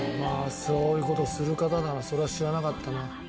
そういうことする方なの、それは知らなかったの。